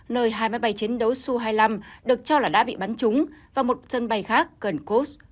nơi hai máy bay chiến đấu su hai mươi năm được cho là đã bị bắn trúng và một sân bay khác cần kos